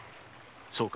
そうか。